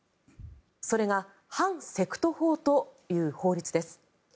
それが反セクト法という法律です。